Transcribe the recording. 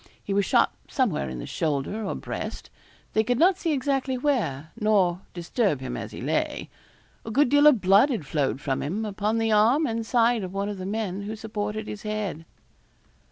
He was shot somewhere in the shoulder or breast they could not see exactly where, nor disturb him as he lay. A good deal of blood had flowed from him, upon the arm and side of one of the men who supported his head.